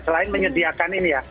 selain menyediakan ini ya